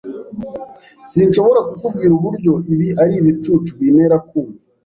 Sinshobora kukubwira uburyo ibi ari ibicucu bintera kumva.